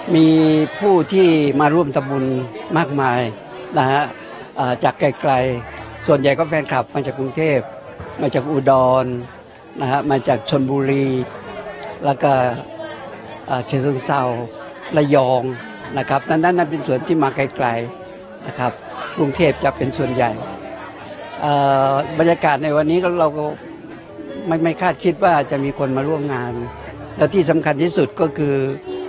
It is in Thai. มีผู้ที่มาร่วมทำบุญมากมายนะฮะจากไกลไกลส่วนใหญ่ก็แฟนคลับมาจากกรุงเทพมาจากอุดรนะฮะมาจากชนบุรีแล้วก็เชิงเศร้าระยองนะครับนั่นนั่นเป็นส่วนที่มาไกลไกลนะครับกรุงเทพจะเป็นส่วนใหญ่บรรยากาศในวันนี้ก็เราก็ไม่ไม่คาดคิดว่าจะมีคนมาร่วมงานและที่สำคัญที่สุดก็คือ